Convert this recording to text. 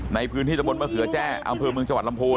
ในพื้นที่สมนตร์มาเคือแจ้อำพเมืองจังหวัดลำพูน